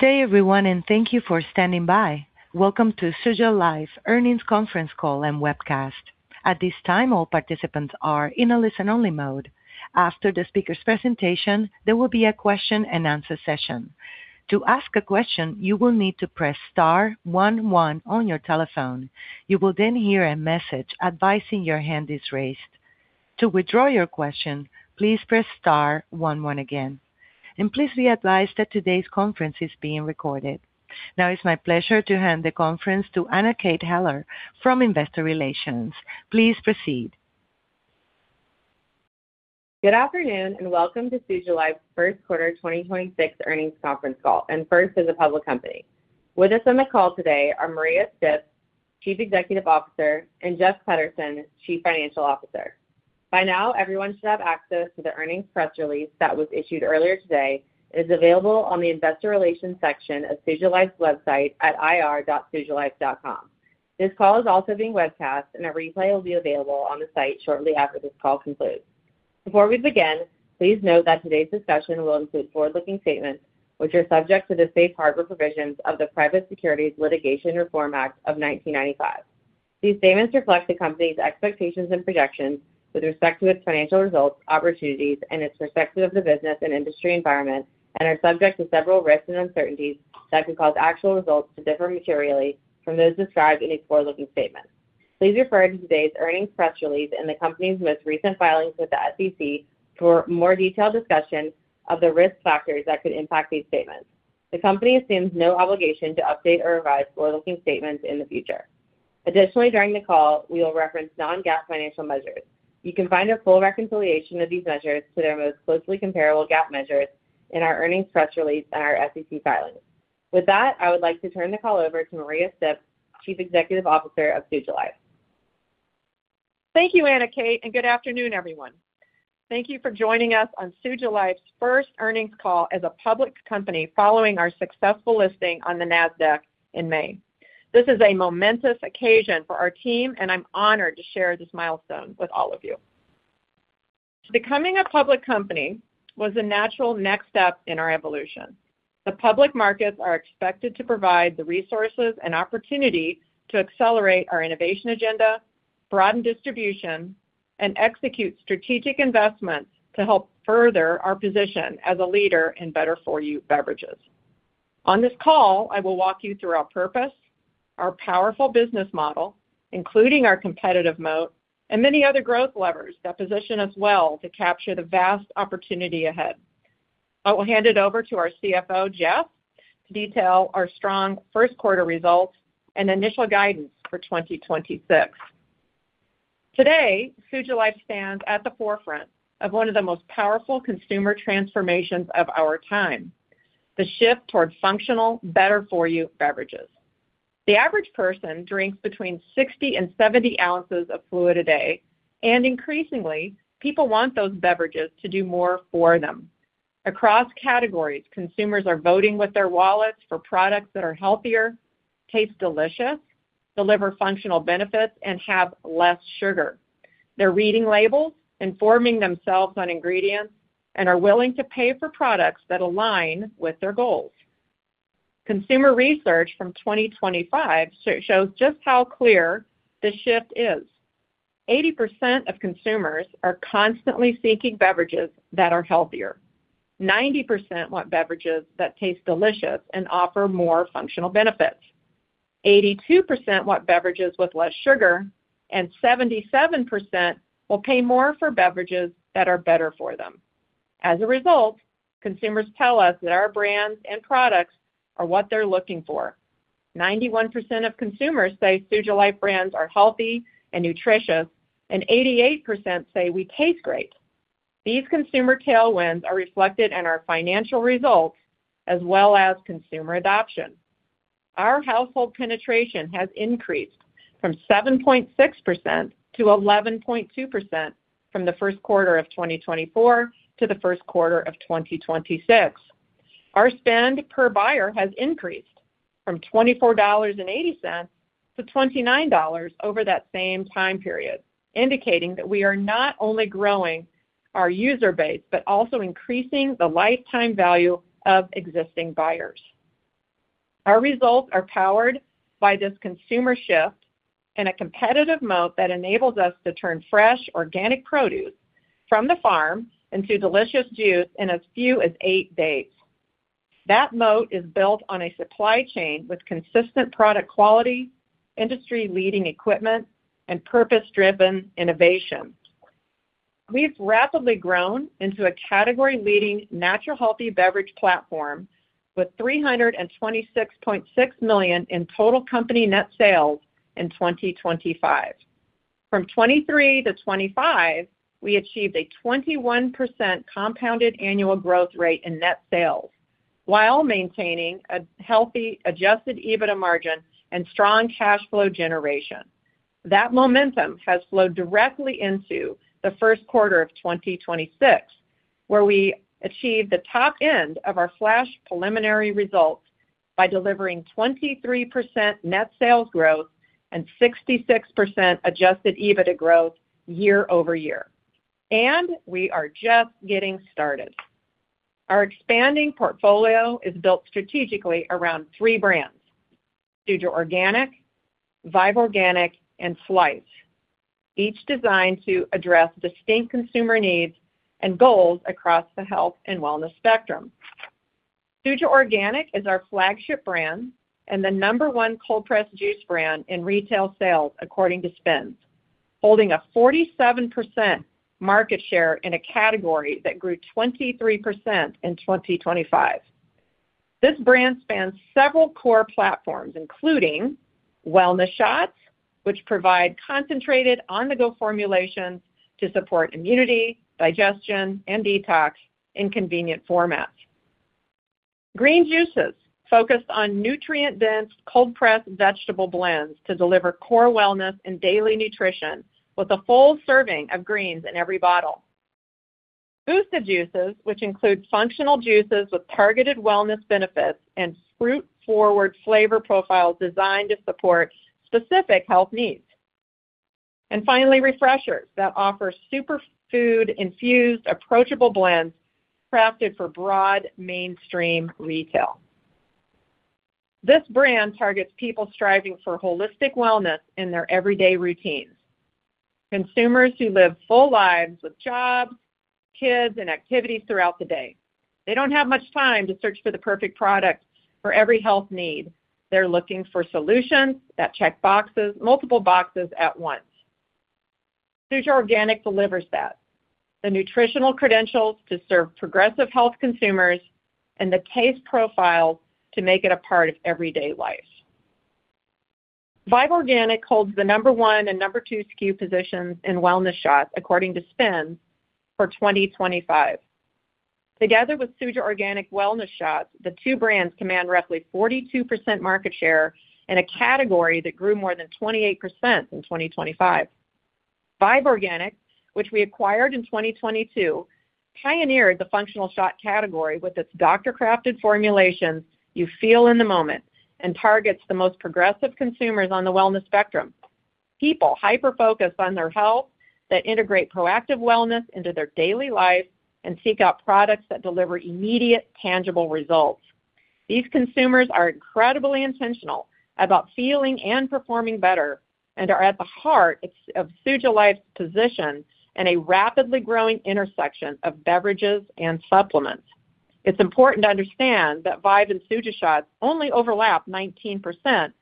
Good day everyone. Thank you for standing by. Welcome to Suja Life's earnings conference call and webcast. At this time, all participants are in a listen-only mode. After the speaker's presentation, there will be a question-and-answer session. To ask a question, you will need to press star one one on your telephone. You will hear a message advising your hand is raised. To withdraw your question, please press star one one again. Please be advised that today's conference is being recorded. It's my pleasure to hand the conference to Anna Kate Heller from Investor Relations. Please proceed. Good afternoon. Welcome to Suja Life's Q1 2026 earnings conference call, and first as a public company. With us on the call today are Maria Stipp, Chief Executive Officer, and Jeff Peterson, Chief Financial Officer. By now, everyone should have access to the earnings press release that was issued earlier today. It is available on the investor relations section of Suja Life's website at ir.sujalife.com. This call is also being webcast. A replay will be available on the site shortly after this call concludes. Before we begin, please note that today's discussion will include forward-looking statements, which are subject to the safe harbor provisions of the Private Securities Litigation Reform Act of 1995. These statements reflect the company's expectations and projections with respect to its financial results, opportunities, its perspective of the business and industry environment and are subject to several risks and uncertainties that could cause actual results to differ materially from those described in these forward-looking statements. Please refer to today's earnings press release and the company's most recent filings with the SEC for more detailed discussion of the risk factors that could impact these statements. The company assumes no obligation to update or revise forward-looking statements in the future. Additionally, during the call, we will reference non-GAAP financial measures. You can find a full reconciliation of these measures to their most closely comparable GAAP measures in our earnings press release and our SEC filings. With that, I would like to turn the call over to Maria Stipp, Chief Executive Officer of Suja Life. Thank you, Anna Kate. Good afternoon, everyone. Thank you for joining us on Suja Life's first earnings call as a public company following our successful listing on the Nasdaq in May. This is a momentous occasion for our team. I'm honored to share this milestone with all of you. Becoming a public company was the natural next step in our evolution. The public markets are expected to provide the resources and opportunity to accelerate our innovation agenda, broaden distribution, and execute strategic investments to help further our position as a leader in better-for-you beverages. On this call, I will walk you through our purpose, our powerful business model, including our competitive moat, and many other growth levers that position us well to capture the vast opportunity ahead. I will hand it over to our CFO, Jeff, to detail our strong Q1 results and initial guidance for 2026. Today, Suja Life stands at the forefront of one of the most powerful consumer transformations of our time, the shift towards functional, better-for-you beverages. The average person drinks between 60 and 70 ounces of fluid a day, and increasingly, people want those beverages to do more for them. Across categories, consumers are voting with their wallets for products that are healthier, taste delicious, deliver functional benefits, and have less sugar. They're reading labels, informing themselves on ingredients, and are willing to pay for products that align with their goals. Consumer research from 2025 shows just how clear this shift is. 80% of consumers are constantly seeking beverages that are healthier. 90% want beverages that taste delicious and offer more functional benefits. 82% want beverages with less sugar, and 77% will pay more for beverages that are better for them. Result, consumers tell us that our brands and products are what they're looking for. 91% of consumers say Suja Life brands are healthy and nutritious, and 88% say we taste great. These consumer tailwinds are reflected in our financial results as well as consumer adoption. Our household penetration has increased from 7.6% to 11.2% from the Q1 of 2024 to the Q1 of 2026. Our spend per buyer has increased from $24.80 to $29 over that same time period, indicating that we are not only growing our user base but also increasing the lifetime value of existing buyers. Our results are powered by this consumer shift and a competitive moat that enables us to turn fresh, organic produce from the farm into delicious juice in as few as eight days. That moat is built on a supply chain with consistent product quality, industry-leading equipment, and purpose-driven innovation. We've rapidly grown into a category-leading natural healthy beverage platform with $326.6 million in total company net sales in 2025. From 2023 - 2025, we achieved a 21% compounded annual growth rate in net sales while maintaining a healthy adjusted EBITDA margin and strong cash flow generation. That momentum has flowed directly into the Q1 of 2026, where we achieved the top end of our flash preliminary results by delivering 23% net sales growth and 66% adjusted EBITDA growth year-over-year. We are just getting started. Our expanding portfolio is built strategically around three brands, Suja Organic, Vive Organic, and Slice. Each designed to address distinct consumer needs and goals across the health and wellness spectrum. Suja Organic is our flagship brand and the number one cold-pressed juice brand in retail sales according to SPINS, holding a 47% market share in a category that grew 23% in 2025. This brand spans several core platforms, including wellness shots, which provide concentrated on-the-go formulations to support immunity, digestion, and detox in convenient formats. Green juices focus on nutrient-dense, cold-pressed vegetable blends to deliver core wellness and daily nutrition with a full serving of greens in every bottle. Booster juices, which include functional juices with targeted wellness benefits and fruit-forward flavor profiles designed to support specific health needs. Finally, refreshers that offer superfood-infused, approachable blends crafted for broad mainstream retail. This brand targets people striving for holistic wellness in their everyday routines. Consumers who live full lives with jobs, kids, and activities throughout the day. They don't have much time to search for the perfect product for every health need. They're looking for solutions that check multiple boxes at once. Suja Organic delivers that. The nutritional credentials to serve progressive health consumers and the taste profiles to make it a part of everyday life. Vive Organic holds the number one and number two SKU positions in wellness shots, according to SPINS for 2025. Together with Suja Organic wellness shots, the two brands command roughly 42% market share in a category that grew more than 28% in 2025. Vive Organic, which we acquired in 2022, pioneered the functional shot category with its doctor-crafted formulations you feel in the moment, and targets the most progressive consumers on the wellness spectrum. People hyper-focused on their health that integrate proactive wellness into their daily lives and seek out products that deliver immediate, tangible results. These consumers are incredibly intentional about feeling and performing better and are at the heart of Suja Life's position in a rapidly growing intersection of beverages and supplements. It's important to understand that Vive and Suja shots only overlap 19%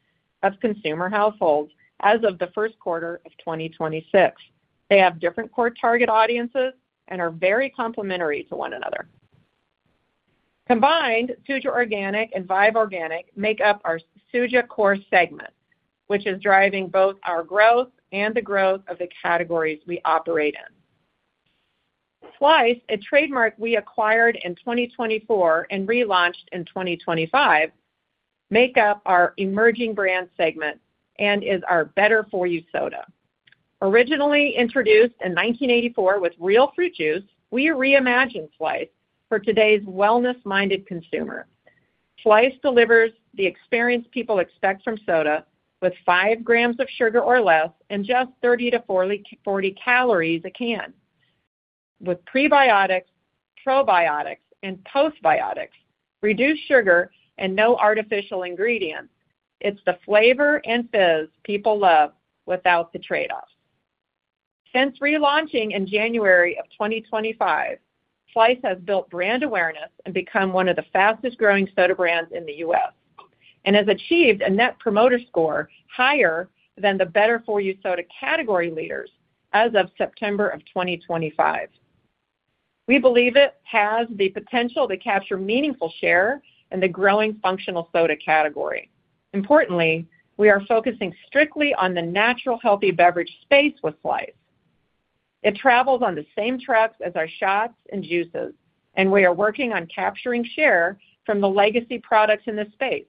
of consumer households as of the Q1 of 2026. They have different core target audiences and are very complementary to one another. Combined, Suja Organic and Vive Organic make up our Suja Core segment, which is driving both our growth and the growth of the categories we operate in. Slice, a trademark we acquired in 2024 and relaunched in 2025, make up our Emerging Brands segment and is our better-for-you soda. Originally introduced in 1984 with real fruit juice, we reimagined Slice for today's wellness-minded consumer. Slice delivers the experience people expect from soda with five grams of sugar or less and just 30 - 40 calories a can. With prebiotics, probiotics, and postbiotics, reduced sugar and no artificial ingredients, it's the flavor and fizz people love without the trade-off. Since relaunching in January of 2025, Slice has built brand awareness and become one of the fastest-growing soda brands in the U.S. and has achieved a Net Promoter Score higher than the better-for-you soda category leaders as of September of 2025. We believe it has the potential to capture meaningful share in the growing functional soda category. Importantly, we are focusing strictly on the natural healthy beverage space with Slice. It travels on the same trucks as our shots and juices, and we are working on capturing share from the legacy products in this space,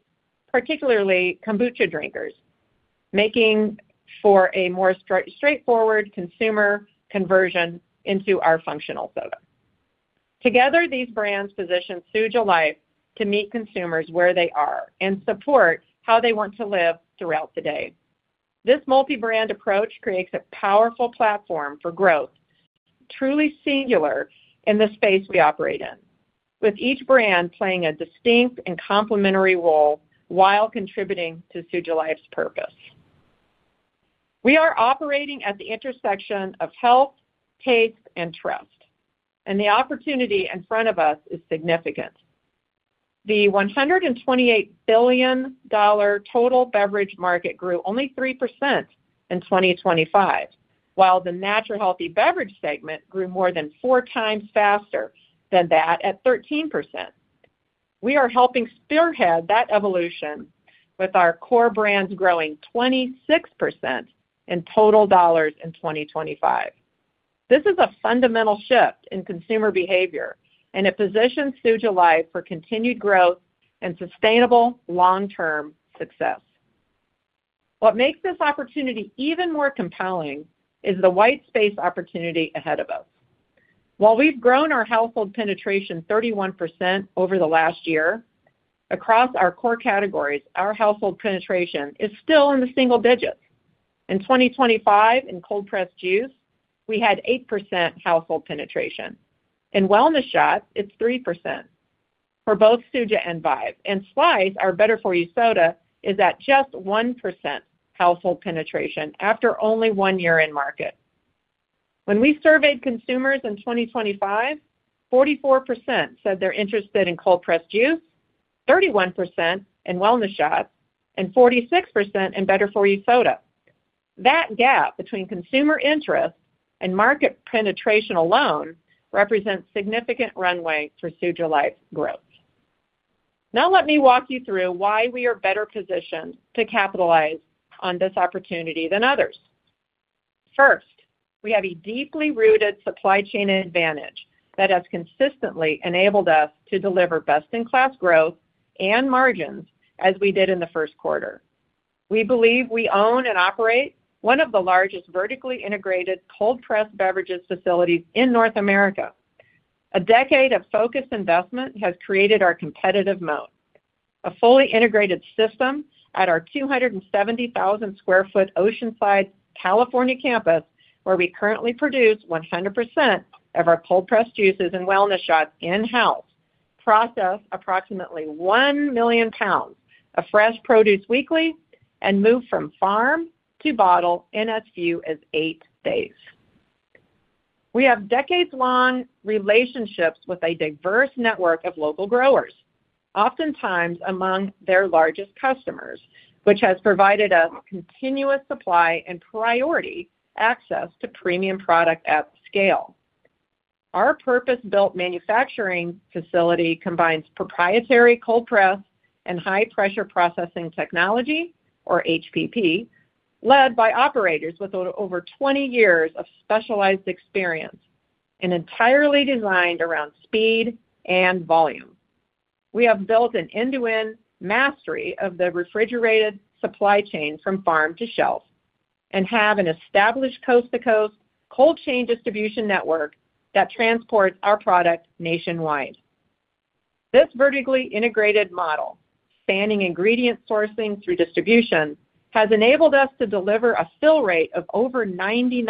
particularly kombucha drinkers, making for a more straightforward consumer conversion into our functional soda. Together, these brands position Suja Life to meet consumers where they are and support how they want to live throughout the day. This multi-brand approach creates a powerful platform for growth, truly singular in the space we operate in. With each brand playing a distinct and complementary role while contributing to Suja Life's purpose. We are operating at the intersection of health, taste, and trust, and the opportunity in front of us is significant. The $128 billion total beverage market grew only three percent in 2025, while the natural healthy beverage segment grew more than four times faster than that at 13%. We are helping spearhead that evolution with our core brands growing 26% in total dollars in 2025. This is a fundamental shift in consumer behavior, and it positions Suja Life for continued growth and sustainable long-term success. What makes this opportunity even more compelling is the white space opportunity ahead of us. While we've grown our household penetration 31% over the last year across our core categories, our household penetration is still in the single digits. In 2025, in cold-pressed juice, we had eight percent household penetration. In wellness shots, it's three percent. For both Suja and Vive. Slice, our better for you soda, is at just one percent household penetration after only one year in market. When we surveyed consumers in 2025, 44% said they're interested in cold-pressed juice, 31% in wellness shots, and 46% in better for you soda. That gap between consumer interest and market penetration alone represents significant runway for Suja Life growth. Let me walk you through why we are better positioned to capitalize on this opportunity than others. First, we have a deeply rooted supply chain advantage that has consistently enabled us to deliver best in class growth and margins as we did in the Q1 We believe we own and operate one of the largest vertically integrated cold-pressed beverages facilities in North America. A decade of focused investment has created our competitive moat. A fully integrated system at our 270,000 sq ft Oceanside, California campus, where we currently produce 100% of our cold-pressed juices and wellness shots in-house, process approximately 1 million pounds of fresh produce weekly, and move from farm to bottle in as few as eight days. We have decades-long relationships with a diverse network of local growers, oftentimes among their largest customers, which has provided us continuous supply and priority access to premium product at scale. Our purpose-built manufacturing facility combines proprietary cold-press and high-pressure processing technology, or HPP, led by operators with over 20 years of specialized experience, and entirely designed around speed and volume. We have built an end-to-end mastery of the refrigerated supply chain from farm to shelf, and have an established coast-to-coast cold chain distribution network that transports our product nationwide. This vertically integrated model, spanning ingredient sourcing through distribution, has enabled us to deliver a fill rate of over 99%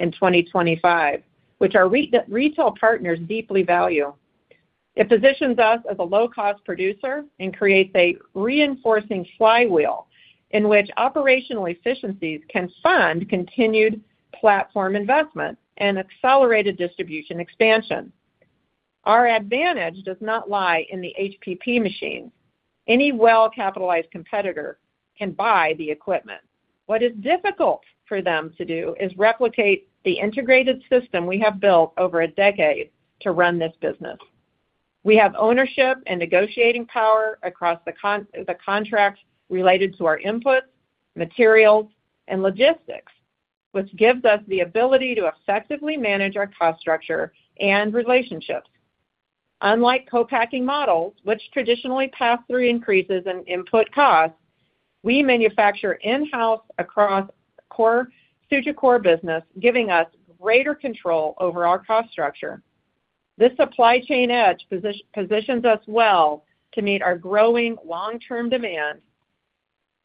in 2025, which our retail partners deeply value. It positions us as a low-cost producer and creates a reinforcing flywheel in which operational efficiencies can fund continued platform investment and accelerated distribution expansion. Our advantage does not lie in the HPP machines. Any well-capitalized competitor can buy the equipment. What is difficult for them to do is replicate the integrated system we have built over a decade to run this business. We have ownership and negotiating power across the contracts related to our inputs, materials, and logistics, which gives us the ability to effectively manage our cost structure and relationships. Unlike co-packing models, which traditionally pass through increases in input costs, we manufacture in-house across Suja Core business, giving us greater control over our cost structure. This supply chain edge positions us well to meet our growing long-term demand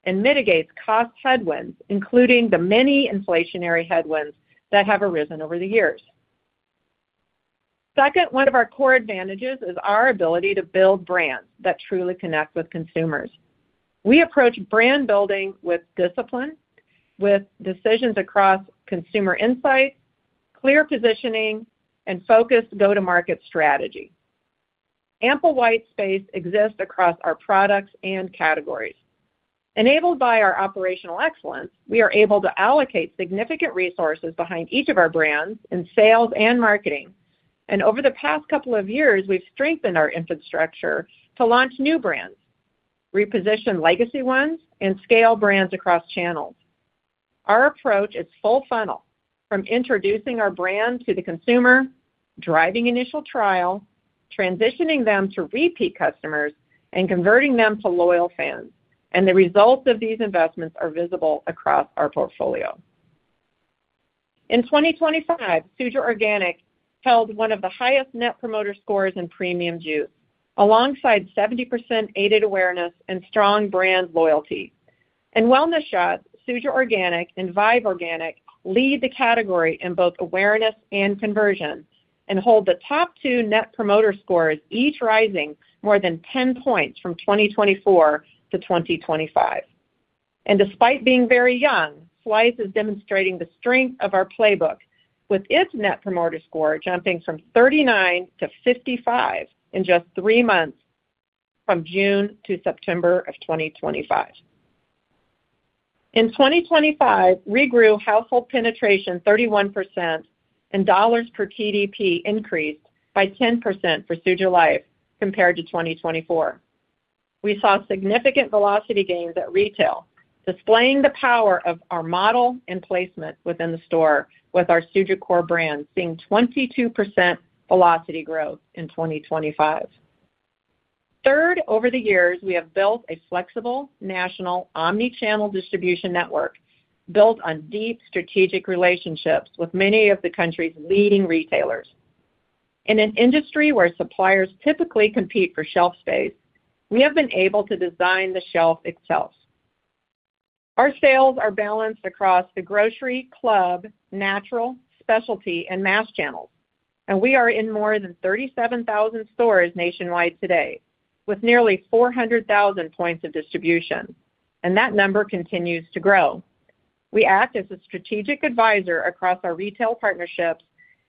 and mitigates cost headwinds, including the many inflationary headwinds that have arisen over the years. Second, one of our core advantages is our ability to build brands that truly connect with consumers. We approach brand building with discipline, with decisions across consumer insights, clear positioning, and focused go-to-market strategy. Ample white space exists across our products and categories. Enabled by our operational excellence, we are able to allocate significant resources behind each of our brands in sales and marketing. Over the past couple of years, we've strengthened our infrastructure to launch new brands, reposition legacy ones, and scale brands across channels. Our approach is full funnel, from introducing our brand to the consumer, driving initial trial, transitioning them to repeat customers, and converting them to loyal fans. The results of these investments are visible across our portfolio. In 2025, Suja Organic held one of the highest Net Promoter Scores in premium juice, alongside 70% aided awareness and strong brand loyalty. In wellness shots, Suja Organic and Vive Organic lead the category in both awareness and conversion, and hold the top two Net Promoter Scores, each rising more than 10 points from 2024 - 2025. Despite being very young, Slice is demonstrating the strength of our playbook with its Net Promoter Score jumping from 39- 55 in just three months from June - September of 2025. In 2025, we grew household penetration 31% and $ per TDP increased by 10% for Suja Life compared to 2024. We saw significant velocity gains at retail, displaying the power of our model and placement within the store with our Suja Core brands seeing 22% velocity growth in 2025. Third, over the years, we have built a flexible national omni-channel distribution network built on deep strategic relationships with many of the country's leading retailers. In an industry where suppliers typically compete for shelf space, we have been able to design the shelf itself. Our sales are balanced across the grocery, club, natural, specialty, and mass channels, and we are in more than 37,000 stores nationwide today with nearly 400,000 points of distribution, and that number continues to grow. We act as a strategic advisor across our retail partnerships,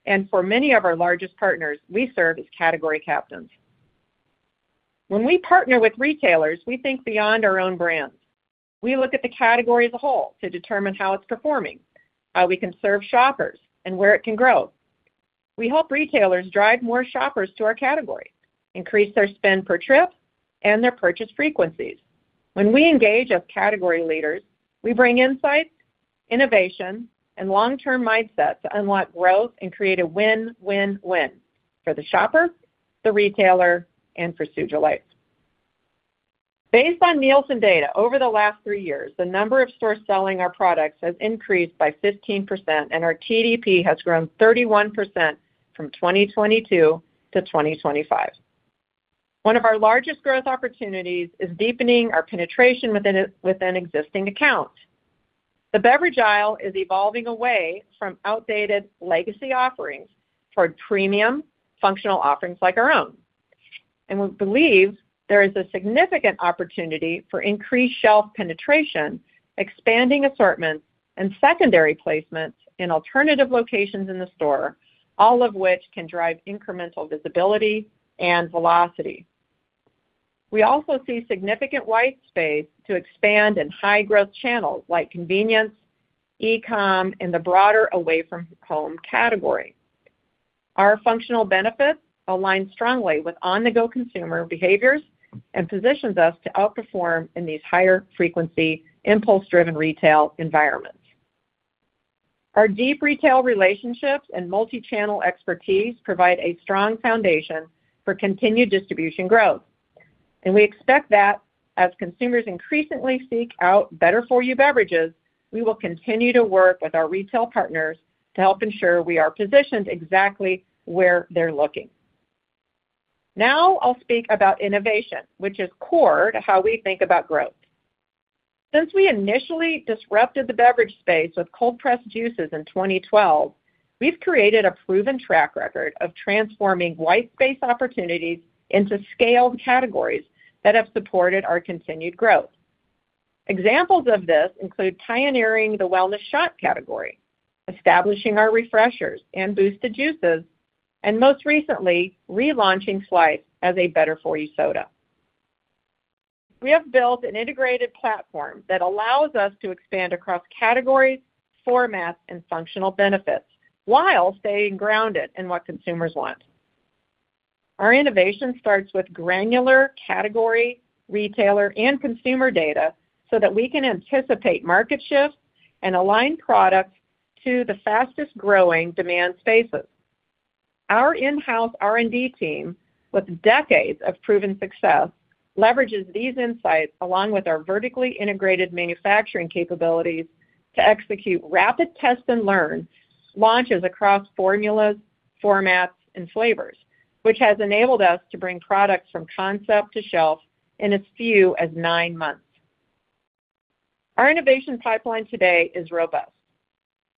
and for many of our largest partners, we serve as category captains. When we partner with retailers, we think beyond our own brands. We look at the category as a whole to determine how it's performing, how we can serve shoppers, and where it can grow. We help retailers drive more shoppers to our category, increase their spend per trip, and their purchase frequencies. When we engage as category leaders, we bring insights, innovation, and long-term mindsets to unlock growth and create a win-win-win for the shopper, the retailer, and for Suja Life. Based on Nielsen data, over the last three years, the number of stores selling our products has increased by 15%, and our TDP has grown 31% from 2022 - 2025. One of our largest growth opportunities is deepening our penetration within existing accounts. The beverage aisle is evolving away from outdated legacy offerings toward premium functional offerings like our own. We believe there is a significant opportunity for increased shelf penetration, expanding assortments, and secondary placements in alternative locations in the store, all of which can drive incremental visibility and velocity. We also see significant white space to expand in high growth channels like convenience, e-com, and the broader away-from-home category. Our functional benefits align strongly with on-the-go consumer behaviors and positions us to outperform in these higher frequency, impulse-driven retail environments. Our deep retail relationships and multi-channel expertise provide a strong foundation for continued distribution growth, we expect that as consumers increasingly seek out better-for-you beverages, we will continue to work with our retail partners to help ensure we are positioned exactly where they're looking. I'll speak about innovation, which is core to how we think about growth. Since we initially disrupted the beverage space with cold-pressed juices in 2012, we've created a proven track record of transforming white space opportunities into scaled categories that have supported our continued growth. Examples of this include pioneering the wellness shot category, establishing our refreshers and boosted juices, and most recently relaunching Slice as a better-for-you soda. We have built an integrated platform that allows us to expand across categories, formats, and functional benefits while staying grounded in what consumers want. Our innovation starts with granular category, retailer, and consumer data so that we can anticipate market shifts and align products to the fastest growing demand spaces. Our in-house R&D team, with decades of proven success, leverages these insights along with our vertically integrated manufacturing capabilities to execute rapid test and learn launches across formulas, formats, and flavors, which has enabled us to bring products from concept to shelf in as few as nine months. Our innovation pipeline today is robust.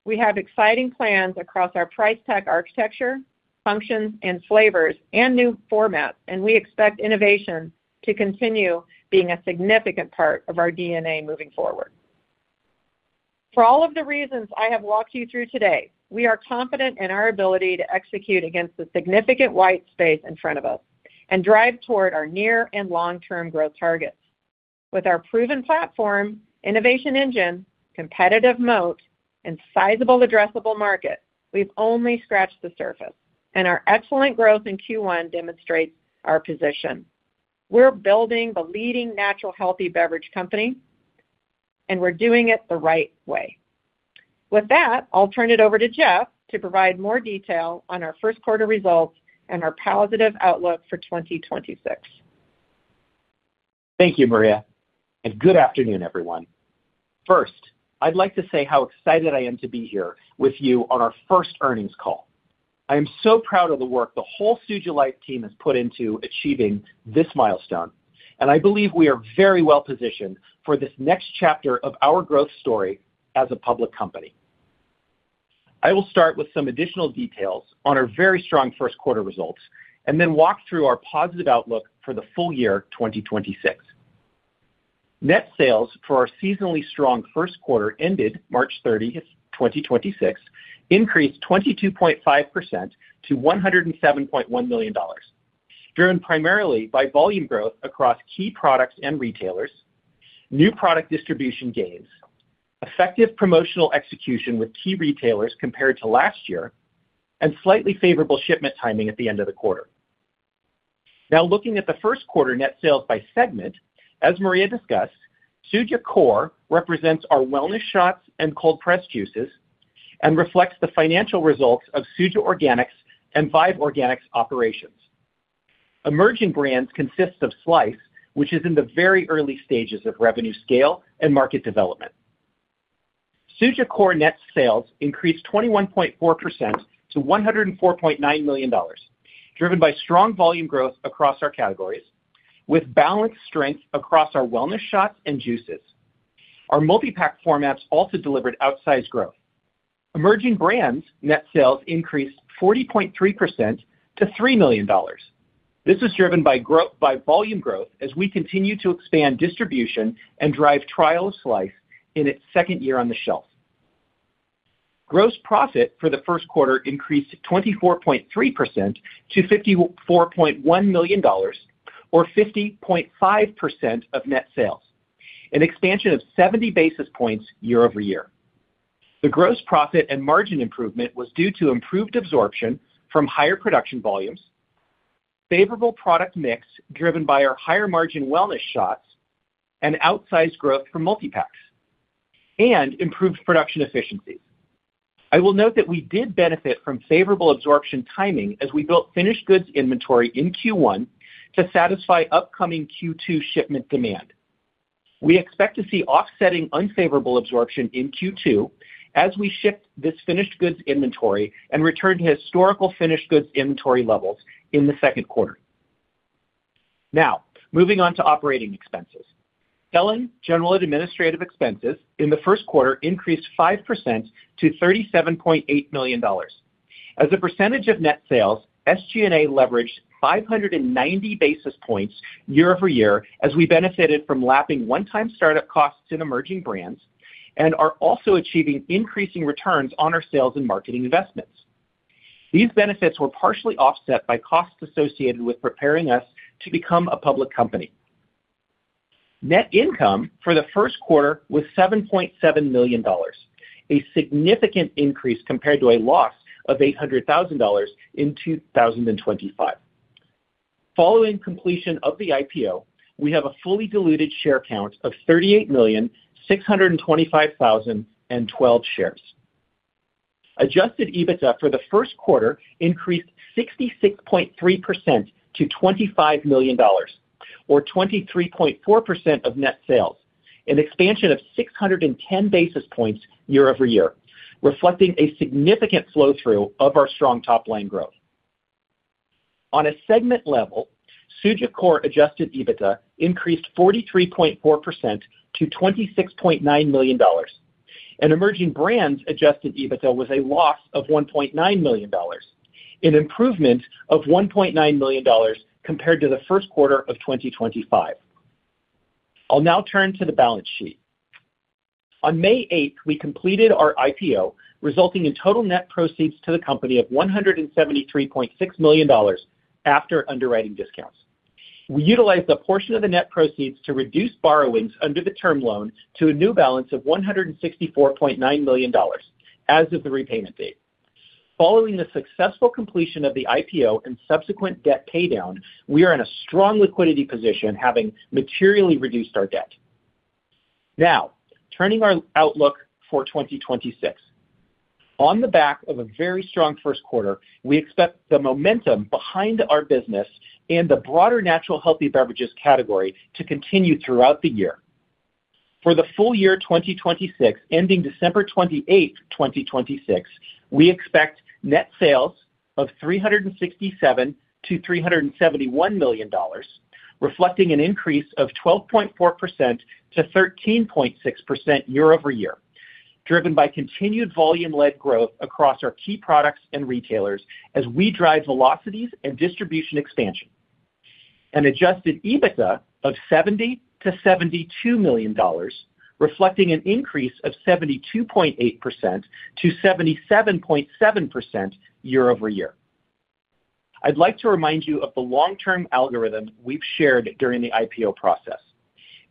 We have exciting plans across our price pack architecture, functions and flavors, and new formats, we expect innovation to continue being a significant part of our DNA moving forward. For all of the reasons I have walked you through today, we are confident in our ability to execute against the significant white space in front of us and drive toward our near and long-term growth targets. With our proven platform, innovation engine, competitive moat, and sizable addressable market, we've only scratched the surface, and our excellent growth in Q1 demonstrates our position. We're building the leading natural healthy beverage company, we're doing it the right way. With that, I'll turn it over to Jeff to provide more detail on our Q1 results and our positive outlook for 2026. Thank you, Maria, and good afternoon, everyone. First, I'd like to say how excited I am to be here with you on our first earnings call. I am so proud of the work the whole Suja Life team has put into achieving this milestone, I believe we are very well positioned for this next chapter of our growth story as a public company. I will start with some additional details on our very strong Q1 results then walk through our positive outlook for the full year 2026. Net sales for our seasonally strong first quarter ended March 30th, 2026, increased 22.5% to $107.1 million, driven primarily by volume growth across key products and retailers, new product distribution gains, effective promotional execution with key retailers compared to last year, slightly favorable shipment timing at the end of the quarter. Looking at the Q1 net sales by segment, as Maria discussed, Suja Core represents our wellness shots and cold-pressed juices and reflects the financial results of Suja Organic and Vive Organic operations. Emerging Brands consists of Slice, which is in the very early stages of revenue scale and market development. Suja Core net sales increased 21.4% to $104.9 million, driven by strong volume growth across our categories, with balanced strength across our wellness shots and juices. Our multipack formats also delivered outsized growth. Emerging Brands net sales increased 40.3% to $3 million. This is driven by volume growth as we continue to expand distribution and drive trial of Slice in its second year on the shelf. Gross profit for the Q1 increased 24.3% to $54.1 million or 50.5% of net sales, an expansion of 70 basis points year-over-year. The gross profit and margin improvement was due to improved absorption from higher production volumes, favorable product mix driven by our higher margin wellness shots, and outsized growth from multipacks, and improved production efficiency. I will note that we did benefit from favorable absorption timing as we built finished goods inventory in Q1 to satisfy upcoming Q2 shipment demand. We expect to see offsetting unfavorable absorption in Q2 as we ship this finished goods inventory and return to historical finished goods inventory levels in the Q2. Moving on to operating expenses. Selling, general, and administrative expenses in the first quarter increased 5% to $37.8 million. As a percentage of net sales, SG&A leveraged 590 basis points year-over-year as we benefited from lapping one-time startup costs in Emerging Brands and are also achieving increasing returns on our sales and marketing investments. These benefits were partially offset by costs associated with preparing us to become a public company. Net income for the Q1 was $7.7 million, a significant increase compared to a loss of $800,000 in 2025. Following completion of the IPO, we have a fully diluted share count of 38,625,012 shares. Adjusted EBITDA for the Q1 increased 66.3% to $25 million, or 23.4% of net sales, an expansion of 610 basis points year-over-year, reflecting a significant flow-through of our strong top-line growth. On a segment level, Suja Core adjusted EBITDA increased 43.4% to $26.9 million. Emerging Brands adjusted EBITDA was a loss of $1.9 million, an improvement of $1.9 million compared to the Q of 2025. I'll turn to the balance sheet. On May 8th, we completed our IPO, resulting in total net proceeds to the company of $173.6 million after underwriting discounts. We utilized a portion of the net proceeds to reduce borrowings under the term loan to a new balance of $164.9 million as of the repayment date. Following the successful completion of the IPO and subsequent debt paydown, we are in a strong liquidity position, having materially reduced our debt. Turning our outlook for 2026. On the back of a very strong first quarter, we expect the momentum behind our business and the broader natural healthy beverages category to continue throughout the year. For the full year 2026, ending December 28th, 2026, we expect net sales of $367 million-$371 million, reflecting an increase of 12.4%-13.6% year-over-year, driven by continued volume-led growth across our key products and retailers as we drive velocities and distribution expansion. Adjusted EBITDA of $70 million-$72 million, reflecting an increase of 72.8%-77.7% year-over-year. I'd like to remind you of the long-term algorithm we've shared during the IPO process.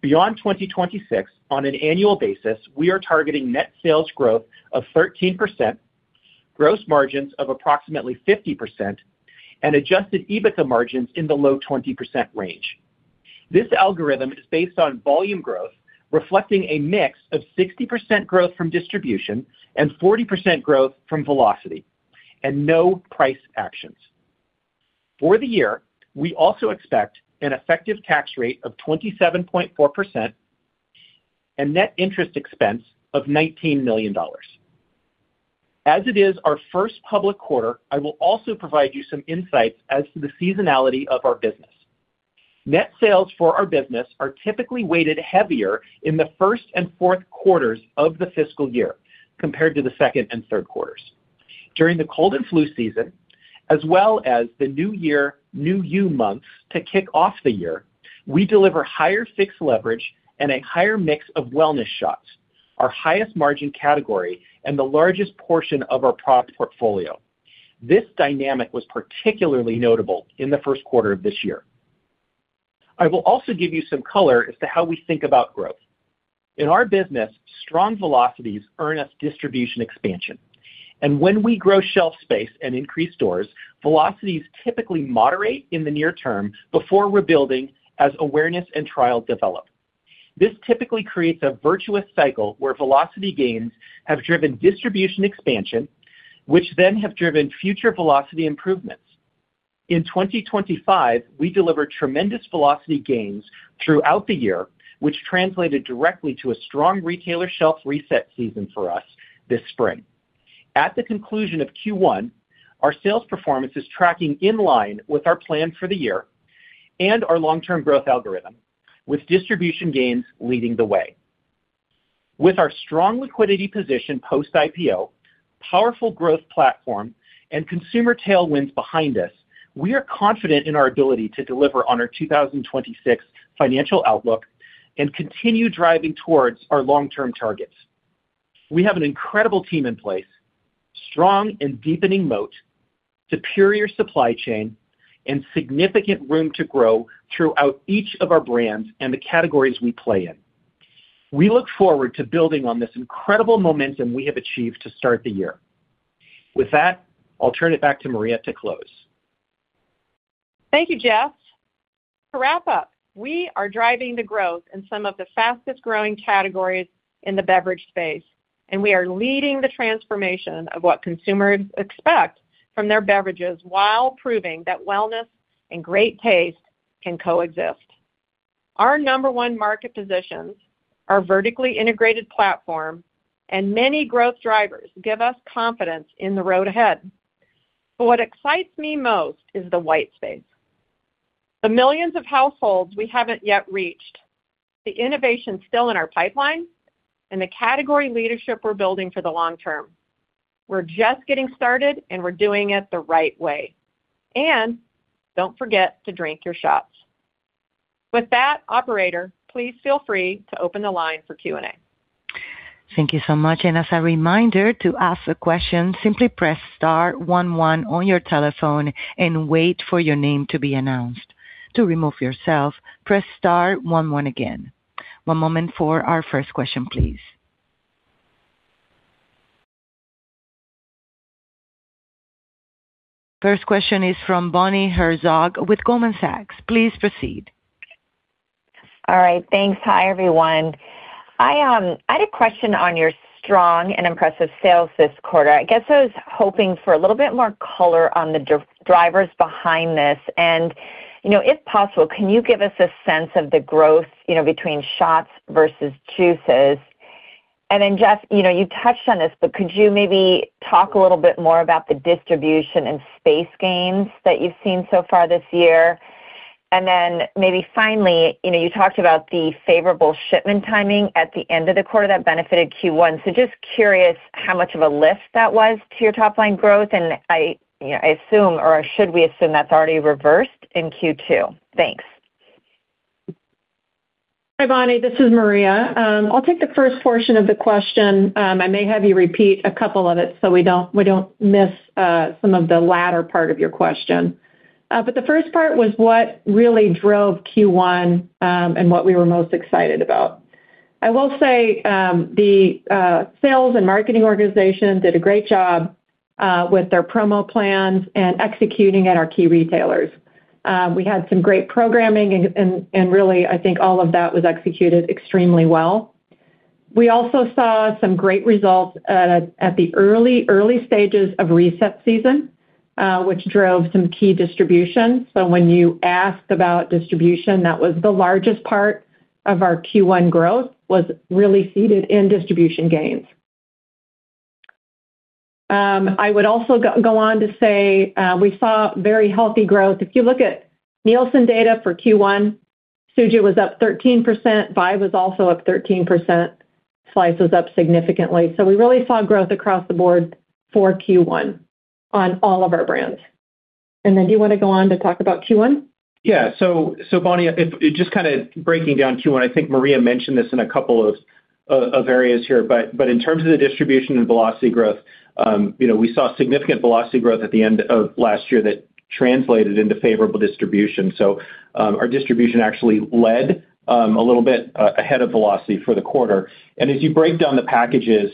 Beyond 2026, on an annual basis, we are targeting net sales growth of 13%, gross margins of approximately 50%, and adjusted EBITDA margins in the low 20% range. This algorithm is based on volume growth reflecting a mix of 60% growth from distribution and 40% growth from velocity and no price actions. For the year, we also expect an effective tax rate of 27.4% and net interest expense of $19 million. As it is our first public quarter, I will also provide you some insights as to the seasonality of our business. Net sales for our business are typically weighted heavier in the Q1 and Q4 of the fiscal year compared to the Q2 and Q3. During the cold and flu season, as well as the New Year, New You months to kick off the year, we deliver higher fixed leverage and a higher mix of wellness shots, our highest margin category and the largest portion of our product portfolio. This dynamic was particularly notable in the Q1 of this year. I will also give you some color as to how we think about growth. In our business, strong velocities earn us distribution expansion, and when we grow shelf space and increase stores, velocities typically moderate in the near term before rebuilding as awareness and trial develop. This typically creates a virtuous cycle where velocity gains have driven distribution expansion, which then have driven future velocity improvements. In 2025, we delivered tremendous velocity gains throughout the year, which translated directly to a strong retailer shelf reset season for us this spring. At the conclusion of Q1, our sales performance is tracking in line with our plan for the year and our long-term growth algorithm, with distribution gains leading the way. With our strong liquidity position post-IPO, powerful growth platform, and consumer tailwinds behind us, we are confident in our ability to deliver on our 2026 financial outlook and continue driving towards our long-term targets. We have an incredible team in place, strong and deepening moat, superior supply chain, and significant room to grow throughout each of our brands and the categories we play in. We look forward to building on this incredible momentum we have achieved to start the year. With that, I'll turn it back to Maria to close. Thank you, Jeff. To wrap up, we are driving the growth in some of the fastest-growing categories in the beverage space. We are leading the transformation of what consumers expect from their beverages while proving that wellness and great taste can coexist. Our number one market positions, our vertically integrated platform, and many growth drivers give us confidence in the road ahead. What excites me most is the white space. The millions of households we haven't yet reached, the innovation still in our pipeline, and the category leadership we're building for the long term. We're just getting started, and we're doing it the right way. Don't forget to drink your shots. With that, operator, please feel free to open the line for Q&A. Thank you so much. As a reminder, to ask a question, simply press star one one on your telephone and wait for your name to be announced. To remove yourself, press star one one again. One moment for our first question, please. First question is from Bonnie Herzog with Goldman Sachs. Please proceed. All right, thanks. Hi, everyone. I had a question on your strong and impressive sales this quarter. I guess I was hoping for a little bit more color on the drivers behind this. If possible, can you give us a sense of the growth between shots versus juices? Jeff, you touched on this, could you maybe talk a little bit more about the distribution and space gains that you've seen so far this year? Maybe finally, you talked about the favorable shipment timing at the end of the quarter that benefited Q1. Just curious how much of a lift that was to your top-line growth, and I assume, or should we assume that's already reversed in Q2? Thanks. Hi, Bonnie. This is Maria. I'll take the first portion of the question. I may have you repeat a couple of it so we don't miss some of the latter part of your question. The first part was what really drove Q1, and what we were most excited about. I will say, the sales and marketing organization did a great job with their promo plans and executing at our key retailers. We had some great programming, I think all of that was executed extremely well. We also saw some great results at the early stages of reset season, which drove some key distribution. When you asked about distribution, that was the largest part of our Q1 growth, was really seated in distribution gains. I would also go on to say we saw very healthy growth. If you look at Nielsen data for Q1, Suja was up 13%, Vive was also up 13%, Slice was up significantly. We really saw growth across the board for Q1 on all of our brands. Do you want to go on to talk about Q1? Yeah. Bonnie, just kind of breaking down Q1, I think Maria mentioned this in a couple of areas here, but in terms of the distribution and velocity growth, we saw significant velocity growth at the end of last year that translated into favorable distribution. Our distribution actually led a little bit ahead of velocity for the quarter. As you break down the packages,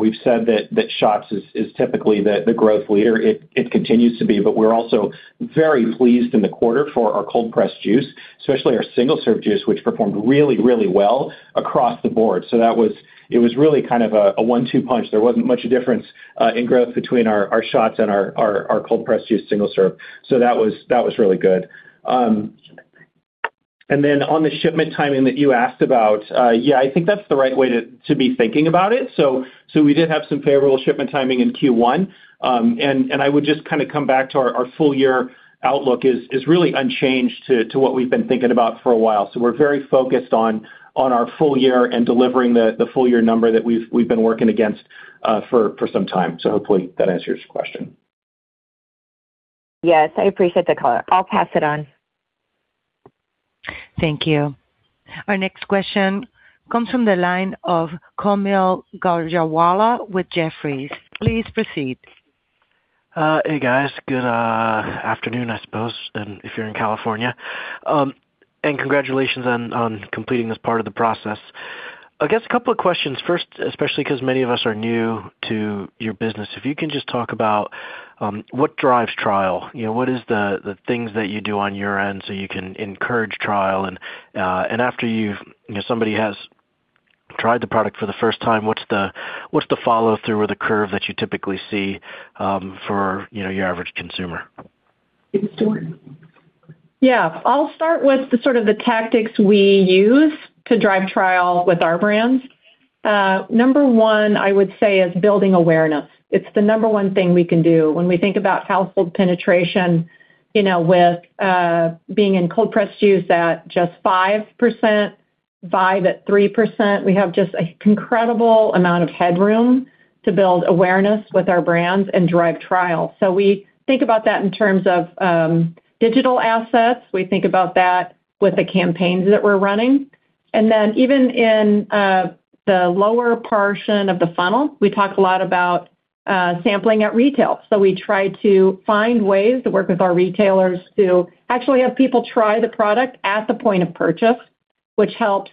we've said that shots is typically the growth leader. It continues to be, but we're also very pleased in the quarter for our cold pressed juice, especially our single-serve juice, which performed really well across the board. It was really kind of a one-two punch. There wasn't much difference in growth between our shots and our cold pressed juice single serve. That was really good. On the shipment timing that you asked about, yeah, I think that's the right way to be thinking about it. We did have some favorable shipment timing in Q1. I would just come back to our full-year outlook is really unchanged to what we've been thinking about for a while. We're very focused on our full year and delivering the full-year number that we've been working against for some time. Hopefully that answers your question. Yes, I appreciate the color. I'll pass it on. Thank you. Our next question comes from the line of Kaumil Gajrawala with Jefferies. Please proceed. Hey, guys. Good afternoon, I suppose, if you're in California. Congratulations on completing this part of the process. I guess a couple of questions. First, especially because many of us are new to your business, if you can just talk about what drives trial. What is the things that you do on your end so you can encourage trial? After somebody has tried the product for the first time, what's the follow-through or the curve that you typically see for your average consumer? Yeah. I'll start with the sort of the tactics we use to drive trial with our brands. Number one, I would say, is building awareness. It's the number one thing we can do when we think about household penetration, with being in cold pressed juice at just five percent, Vive at three percent, we have just an incredible amount of headroom to build awareness with our brands and drive trials. We think about that in terms of digital assets. We think about that with the campaigns that we're running. Then even in the lower portion of the funnel, we talk a lot about sampling at retail. We try to find ways to work with our retailers to actually have people try the product at the point of purchase, which helps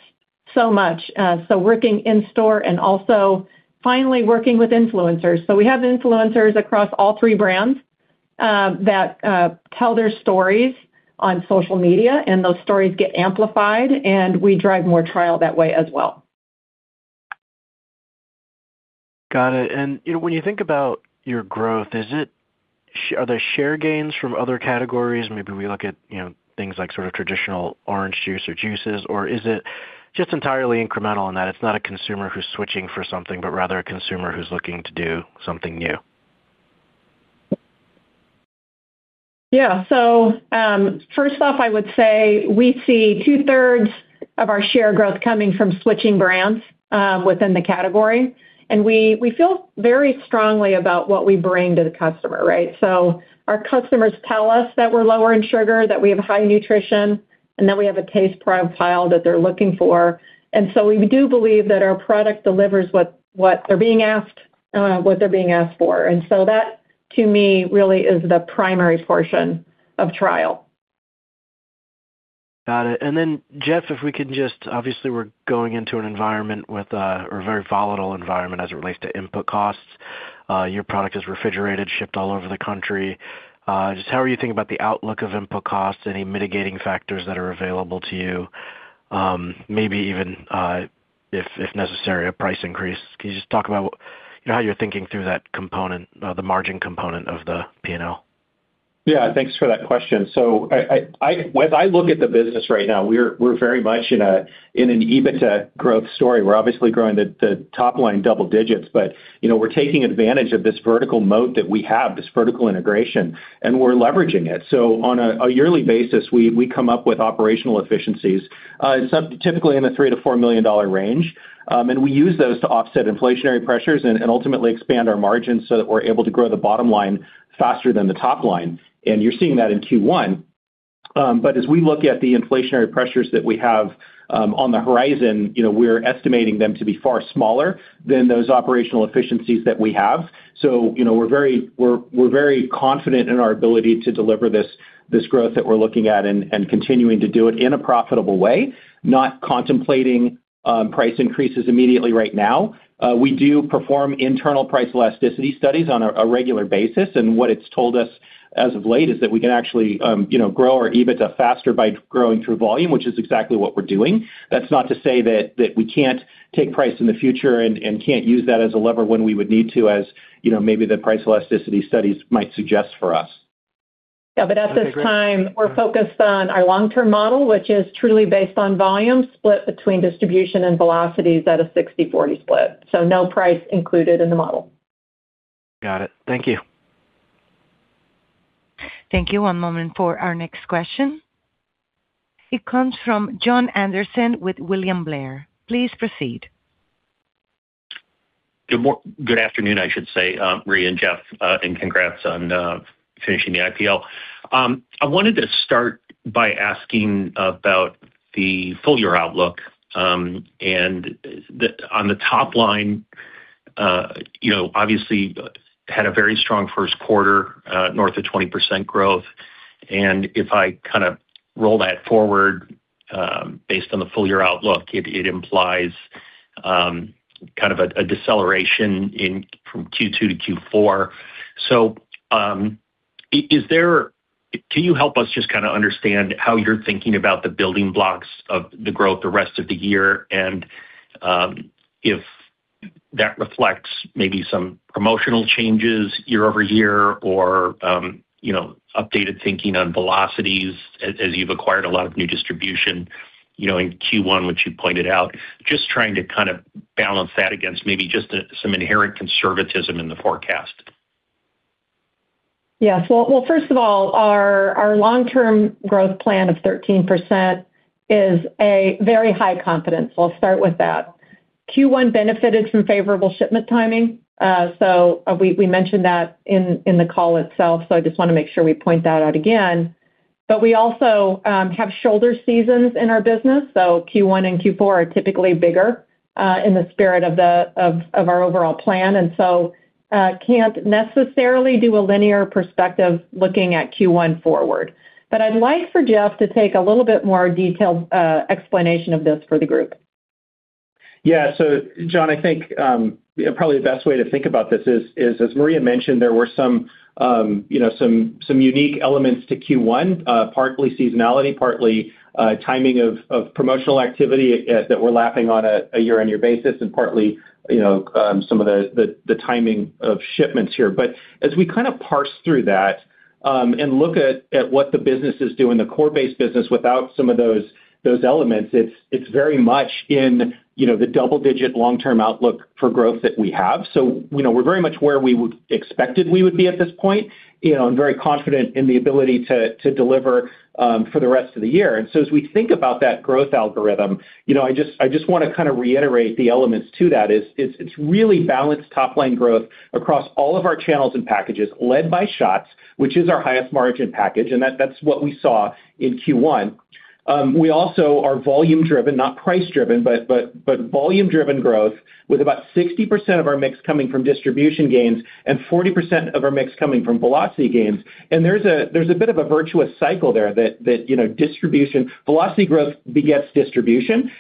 so much. Working in store and also finally working with influencers. We have influencers across all three brands that tell their stories on social media, those stories get amplified, and we drive more trial that way as well. Got it. When you think about your growth, are there share gains from other categories? Maybe we look at things like sort of traditional orange juice or juices, is it just entirely incremental in that it's not a consumer who's switching for something, but rather a consumer who's looking to do something new? Yeah. First off, I would say we see two-thirds of our share growth coming from switching brands within the category. We feel very strongly about what we bring to the customer, right? Our customers tell us that we're lower in sugar, that we have high nutrition, and that we have a taste profile that they're looking for. We do believe that our product delivers what they're being asked for. That, to me, really is the primary portion of trial. Got it. Then, Jeff, obviously, we're going into a very volatile environment as it relates to input costs. Your product is refrigerated, shipped all over the country. Just how are you thinking about the outlook of input costs? Any mitigating factors that are available to you? Maybe even, if necessary, a price increase. Can you just talk about how you're thinking through that component, the margin component of the P&L? Yeah. Thanks for that question. When I look at the business right now, we're very much in an EBITDA growth story. We're obviously growing the top line double digits, but we're taking advantage of this vertical moat that we have, this vertical integration, and we're leveraging it. On a yearly basis, we come up with operational efficiencies, typically in the $3 million-$4 million range. We use those to offset inflationary pressures and ultimately expand our margins so that we're able to grow the bottom line faster than the top line. You're seeing that in Q1. As we look at the inflationary pressures that we have on the horizon, we're estimating them to be far smaller than those operational efficiencies that we have. We're very confident in our ability to deliver this growth that we're looking at and continuing to do it in a profitable way, not contemplating price increases immediately right now. We do perform internal price elasticity studies on a regular basis. What it's told us as of late is that we can actually grow our EBITDA faster by growing through volume, which is exactly what we're doing. That's not to say that we can't take price in the future and can't use that as a lever when we would need to, as maybe the price elasticity studies might suggest for us. At this time, we're focused on our long-term model, which is truly based on volume split between distribution and velocities at a 60/40 split. No price included in the model. Got it. Thank you. Thank you. One moment for our next question. It comes from Jon Andersen with William Blair. Please proceed. Good afternoon, I should say, Maria and Jeff, and congrats on finishing the IPO. I wanted to start by asking about the full year outlook. On the top line, obviously had a very strong first quarter, north of 20% growth. If I kind of roll that forward, based on the full year outlook, it implies kind of a deceleration from Q2 - Q4. Can you help us just kind of understand how you're thinking about the building blocks of the growth the rest of the year, and if that reflects maybe some promotional changes year-over-year or updated thinking on velocities as you've acquired a lot of new distribution in Q1, which you pointed out? Just trying to kind of balance that against maybe just some inherent conservatism in the forecast. Yes. Well, first of all, our long-term growth plan of 13% is a very high confidence. I'll start with that. Q1 benefited from favorable shipment timing. We mentioned that in the call itself, I just want to make sure we point that out again. We also have shoulder seasons in our business, Q1 and Q4 are typically bigger in the spirit of our overall plan, can't necessarily do a linear perspective looking at Q1 forward. I'd like for Jeff to take a little bit more detailed explanation of this for the group. Yeah. Jon, I think probably the best way to think about this is, as Maria mentioned, there were some unique elements to Q1, partly seasonality, partly timing of promotional activity that we're lapping on a year-on-year basis and partly, some of the timing of shipments here. As we kind of parse through that, and look at what the business is doing, the core base business without some of those elements, it's very much in the double-digit long-term outlook for growth that we have. We're very much where we would expected we would be at this point, and very confident in the ability to deliver for the rest of the year. As we think about that growth algorithm, I just want to kind of reiterate the elements to that is it's really balanced top line growth across all of our channels and packages led by shots, which is our highest margin package. That's what we saw in Q1. We also are volume driven, not price driven, but volume driven growth with about 60% of our mix coming from distribution gains and 40% of our mix coming from velocity gains. There's a bit of a virtuous cycle there that distribution velocity growth begets distribution.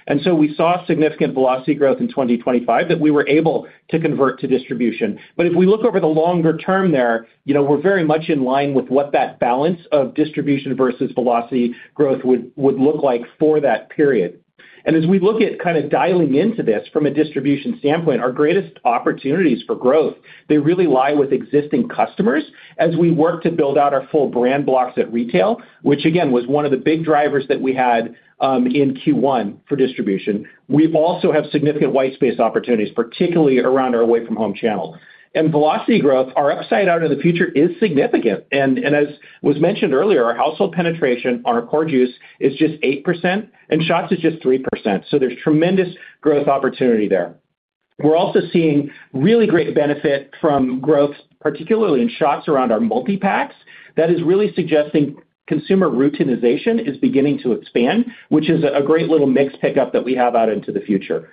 We saw significant velocity growth in 2025 that we were able to convert to distribution. If we look over the longer term there, we're very much in line with what that balance of distribution versus velocity growth would look like for that period. As we look at kind of dialing into this from a distribution standpoint, our greatest opportunities for growth, they really lie with existing customers as we work to build out our full brand blocks at retail, which again, was one of the big drivers that we had in Q1 for distribution. We also have significant white space opportunities, particularly around our away from home channel. Velocity growth, our upside out in the future is significant. As was mentioned earlier, our household penetration on our core juice is just eight percent and shots is just three percent. There's tremendous growth opportunity there. We're also seeing really great benefit from growth, particularly in shots around our multi-packs. That is really suggesting consumer routinization is beginning to expand, which is a great little mix pickup that we have out into the future.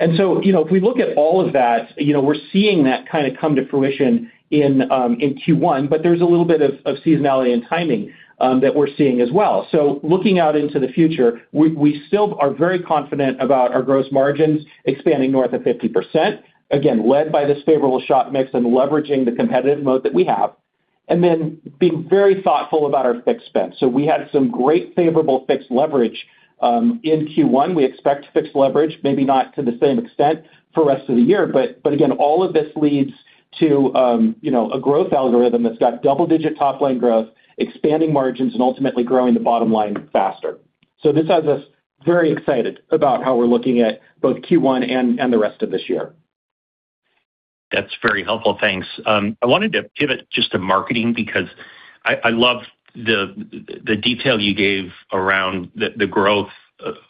If we look at all of that, we're seeing that kind of come to fruition in Q1, but there's a little bit of seasonality and timing that we're seeing as well. Looking out into the future, we still are very confident about our gross margins expanding north of 50%, again, led by this favorable shot mix and leveraging the competitive moat that we have. Being very thoughtful about our fixed spend. We had some great favorable fixed leverage in Q1. We expect fixed leverage, maybe not to the same extent for rest of the year, but again, all of this leads to a growth algorithm that's got double-digit top line growth, expanding margins, and ultimately growing the bottom line faster. This has us very excited about how we're looking at both Q1 and the rest of this year. That's very helpful. Thanks. I wanted to pivot just to marketing because I love the detail you gave around the growth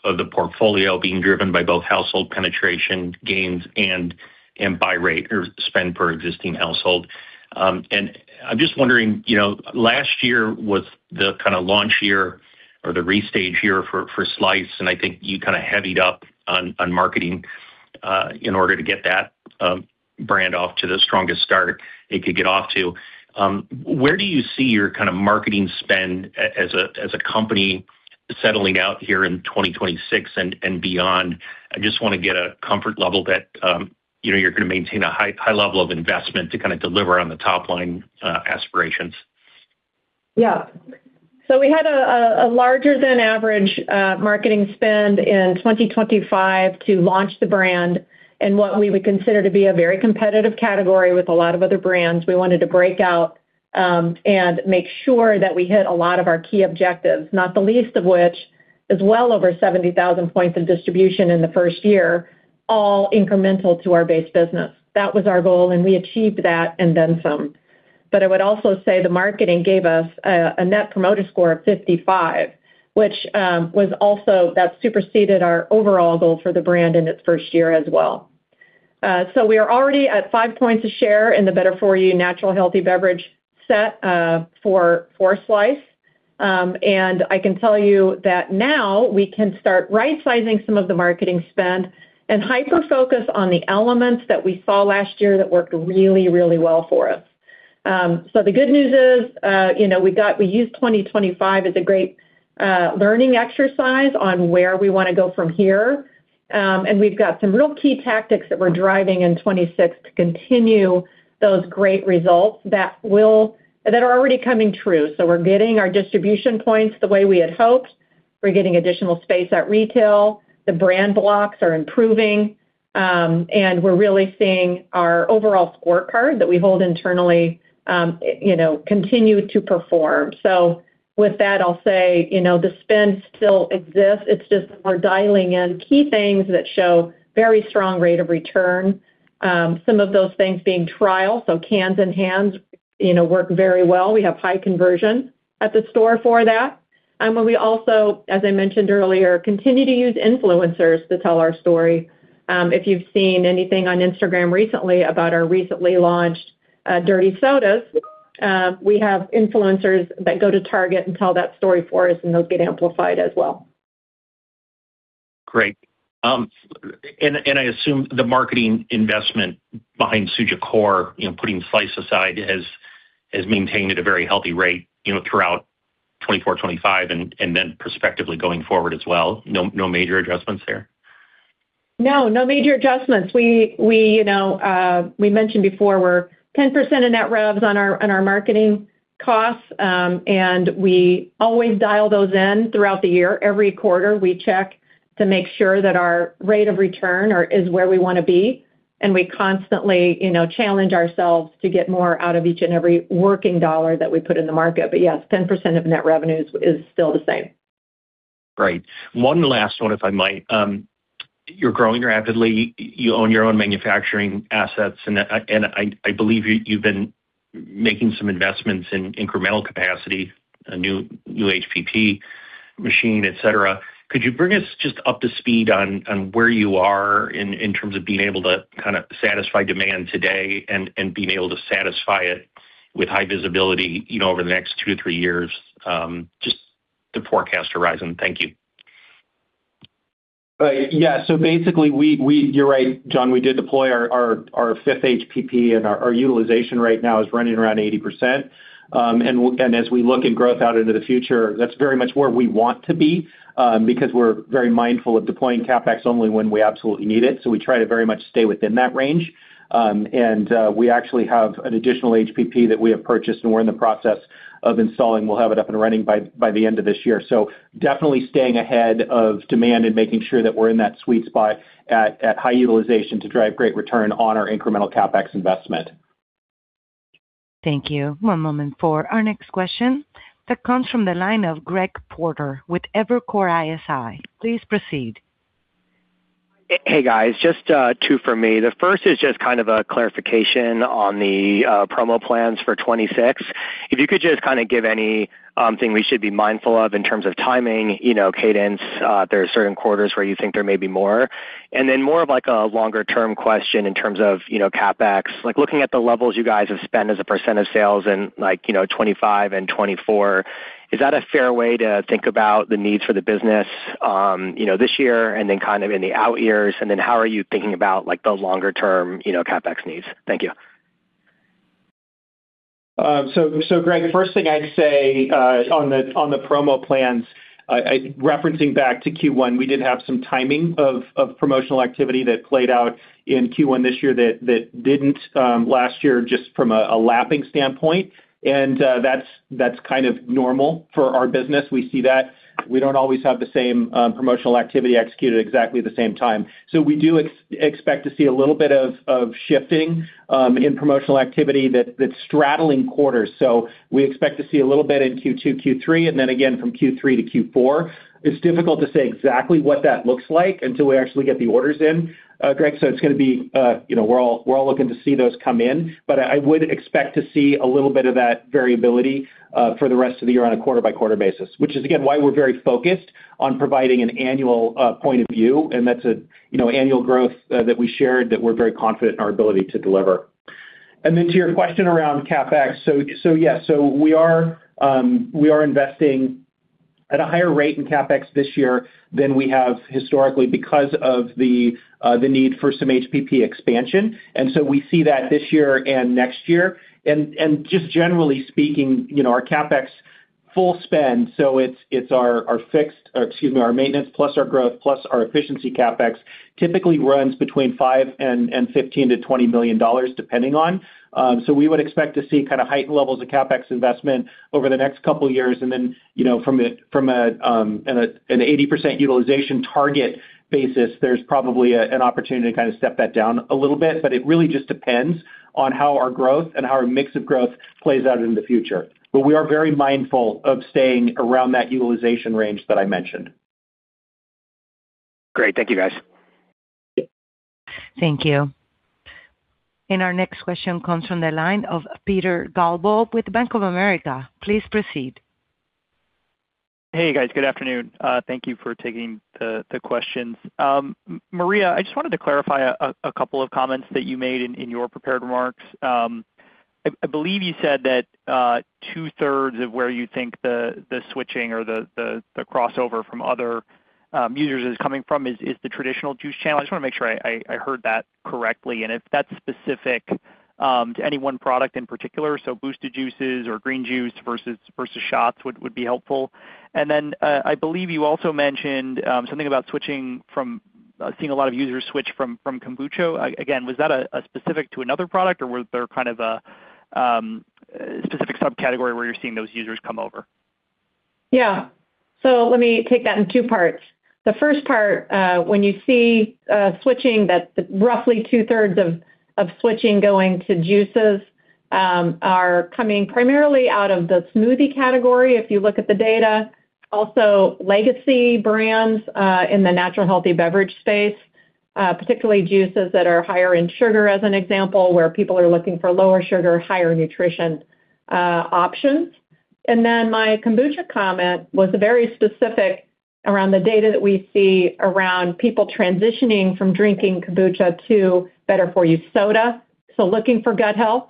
of the portfolio being driven by both household penetration gains and buy rate or spend per existing household. I'm just wondering, last year was the kind of launch year or the restage year for Slice, and I think you kind of heavied up on marketing in order to get that brand off to the strongest start it could get off to. Where do you see your kind of marketing spend as a company settling out here in 2026 and beyond? I just want to get a comfort level that you're going to maintain a high level of investment to kind of deliver on the top line aspirations. We had a larger than average marketing spend in 2025 to launch the brand and what we would consider to be a very competitive category with a lot of other brands. We wanted to break out and make sure that we hit a lot of our key objectives, not the least of which is well over 70,000 points of distribution in the first year, all incremental to our base business. That was our goal, and we achieved that and then some. I would also say the marketing gave us a Net Promoter Score of 55, which, that superseded our overall goal for the brand in its first year as well. We are already at five points a share in the better for you natural healthy beverage set, for Slice. I can tell you that now we can start right-sizing some of the marketing spend and hyper focus on the elements that we saw last year that worked really well for us. The good news is, we used 2025 as a great learning exercise on where we want to go from here. We've got some real key tactics that we're driving in 2026 to continue those great results that are already coming true. We're getting our distribution points the way we had hoped. We're getting additional space at retail. The brand blocks are improving. We're really seeing our overall scorecard that we hold internally continue to perform. With that, I'll say, the spend still exists. It's just we're dialing in key things that show very strong rate of return. Some of those things being trial, so cans in hands, work very well. We have high conversion at the store for that. We also, as I mentioned earlier, continue to use influencers to tell our story. If you've seen anything on Instagram recently about our recently launched Dirty Sodas, we have influencers that go to Target and tell that story for us, and they'll get amplified as well. Great. I assume the marketing investment behind Suja Core, putting Slice aside, has maintained at a very healthy rate throughout 2024, 2025, and then prospectively going forward as well. No major adjustments there? No. No major adjustments. We mentioned before we're 10% of net revs on our marketing costs. We always dial those in throughout the year. Every quarter, we check to make sure that our rate of return is where we want to be. We constantly challenge ourselves to get more out of each and every working dollar that we put in the market. Yes, 10% of net revenues is still the same. Great. One last one, if I might. You're growing rapidly. You own your own manufacturing assets. I believe you've been making some investments in incremental capacity, a new HPP machine, et cetera. Could you bring us just up to speed on where you are in terms of being able to satisfy demand today and being able to satisfy it with high visibility over the next two - three years? Just the forecast horizon. Thank you. Basically, you're right, Jon, we did deploy our fifth HPP, and our utilization right now is running around 80%. As we look in growth out into the future, that's very much where we want to be, because we're very mindful of deploying CapEx only when we absolutely need it. We try to very much stay within that range. We actually have an additional HPP that we have purchased and we're in the process of installing. We'll have it up and running by the end of this year. Definitely staying ahead of demand and making sure that we're in that sweet spot at high utilization to drive great return on our incremental CapEx investment. Thank you. One moment for our next question. That comes from the line of Greg Porter with Evercore ISI. Please proceed. Hey, guys. Just two from me. The first is just kind of a clarification on the promo plans for 2026. If you could just kind of give anything we should be mindful of in terms of timing, cadence, if there are certain quarters where you think there may be more. More of a longer-term question in terms of CapEx. Looking at the levels you guys have spent as a percent of sales in 2025 and 2024, is that a fair way to think about the needs for the business this year and then kind of in the out years? How are you thinking about the longer-term CapEx needs? Thank you. Greg, first thing I'd say on the promo plans, referencing back to Q1, we did have some timing of promotional activity that played out in Q1 this year that didn't last year, just from a lapping standpoint. That's kind of normal for our business. We see that. We don't always have the same promotional activity executed exactly the same time. We do expect to see a little bit of shifting in promotional activity that's straddling quarters. We expect to see a little bit in Q2, Q3, and then again from Q3 - Q4. It's difficult to say exactly what that looks like until we actually get the orders in, Greg. We're all looking to see those come in. I would expect to see a little bit of that variability for the rest of the year on a quarter-by-quarter basis, which is again, why we're very focused on providing an annual point of view. That's annual growth that we shared, that we're very confident in our ability to deliver. To your question around CapEx. Yes, we are investing at a higher rate in CapEx this year than we have historically because of the need for some HPP expansion. We see that this year and next year. Just generally speaking, our CapEx full spend. It's our maintenance plus our growth, plus our efficiency CapEx typically runs between five and 15 - $20 million, depending on. We would expect to see heightened levels of CapEx investment over the next couple of years. From an 80% utilization target basis, there's probably an opportunity to kind of step that down a little bit. It really just depends on how our growth and how our mix of growth plays out in the future. We are very mindful of staying around that utilization range that I mentioned. Great. Thank you, guys. Thank you. Our next question comes from the line of Peter Galbo with Bank of America. Please proceed. Hey, guys. Good afternoon. Thank you for taking the questions. Maria, I just wanted to clarify a couple of comments that you made in your prepared remarks. I believe you said that two-thirds of where you think the switching or the crossover from other users is coming from is the traditional juice channel. I just want to make sure I heard that correctly, and if that's specific to any one product in particular, so boosted juices or green juice versus shots would be helpful. Then, I believe you also mentioned something about seeing a lot of users switch from kombucha. Again, was that specific to another product, or were there kind of a specific subcategory where you're seeing those users come over? Yeah. Let me take that in two parts. The first part, when you see switching, that roughly two-thirds of switching going to juices are coming primarily out of the smoothie category, if you look at the data. Also legacy brands in the natural healthy beverage space, particularly juices that are higher in sugar, as an example, where people are looking for lower sugar, higher nutrition options. Then my kombucha comment was very specific around the data that we see around people transitioning from drinking kombucha to better-for-you soda. Looking for gut health,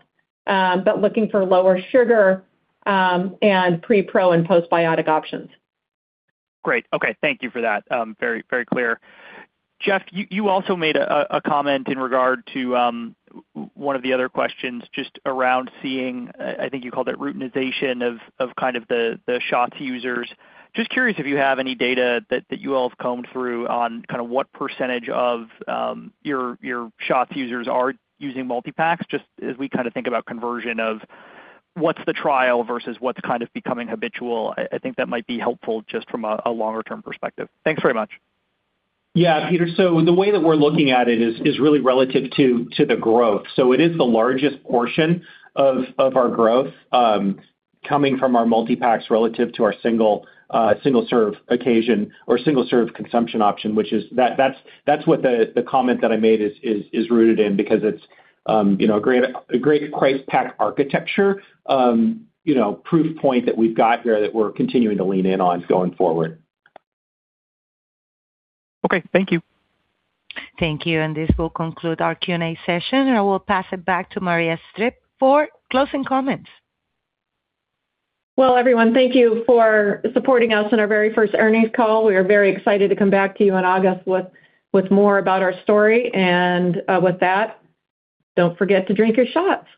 looking for lower sugar and pre, pro, and postbiotic options. Great. Okay. Thank you for that. Very clear. Jeff, you also made a comment in regard to one of the other questions just around seeing, I think you called it routinization of kind of the shots users. Just curious if you have any data that you all have combed through on what% of your shots users are using multi-packs, just as we kind of think about conversion of what's the trial versus what's kind of becoming habitual. I think that might be helpful just from a longer-term perspective. Thanks very much. Yeah, Peter. The way that we're looking at it is really relative to the growth. It is the largest portion of our growth, coming from our multi-packs relative to our single-serve occasion or single-serve consumption option. That's what the comment that I made is rooted in, because it's a great price pack architecture proof point that we've got here that we're continuing to lean in on going forward. Okay. Thank you. Thank you. This will conclude our Q&A session, and I will pass it back to Maria Stipp for closing comments. Well, everyone, thank you for supporting us on our very first earnings call. We are very excited to come back to you in August with more about our story. With that, don't forget to drink your shots.